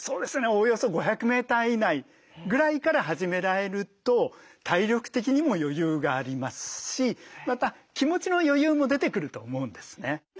およそ５００メーター以内ぐらいから始められると体力的にも余裕がありますしまた気持ちの余裕も出てくると思うんですね。